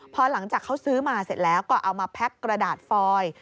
พอหลังจากเขาซื้อมาเสร็จแล้วก็เอามาแพ็กกระดาษฟอย